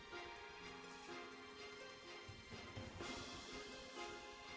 dari uang uang